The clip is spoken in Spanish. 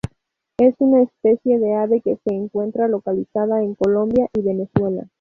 Es una especie de ave que se encuentra localizada en Colombia y Venezuela.